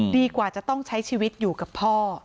กว่าจะต้องใช้ชีวิตอยู่กับพ่อ